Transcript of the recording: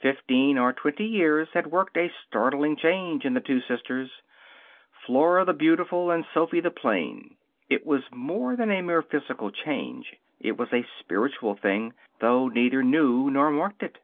Fifteen or twenty years had worked a startling change in the two sisters, Flora the beautiful and Sophy the plain. It was more than a mere physical change. It was a spiritual thing, though neither knew nor marked it.